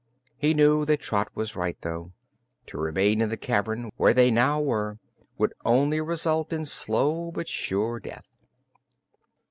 He knew that Trot was right, though. To remain in the cavern, where they now were, could only result in slow but sure death.